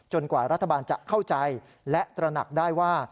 กว่ารัฐบาลจะเข้าใจและตระหนักได้ว่า